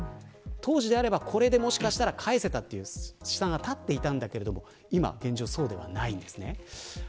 当時であればこれで返せたという試算が立っていたんだけど今、現状、そうではないんです。